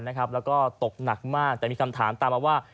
แล้วก็ตกหนักมากแต่มีคำถามตามมาว่า